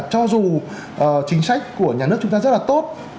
cho dù chính sách của nhà nước chúng ta rất là tốt